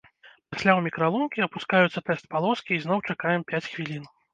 Пасля у мікралункі апускаюцца тэст-палоскі і зноў чакаем пяць хвілін.